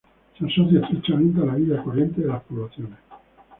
Se asocia estrechamente a la vida corriente de las poblaciones.